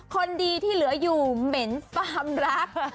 คนดีที่เหลืออยู่เหม็นความรัก